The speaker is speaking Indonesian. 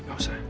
gak usah ya